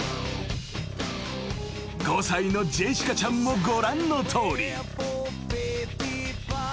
［５歳のジェシカちゃんもご覧のとおり］